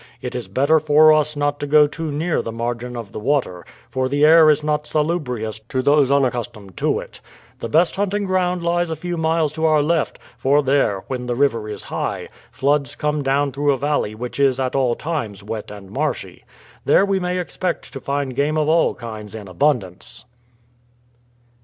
It is better for us not to go too near the margin of the water, for the air is not salubrious to those unaccustomed to it. The best hunting ground lies a few miles to our left, for there, when the river is high, floods come down through a valley which is at all times wet and marshy. There we may expect to find game of all kinds in abundance."